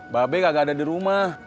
babe agak ada di rumah